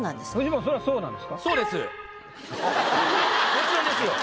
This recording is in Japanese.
もちろんですよ。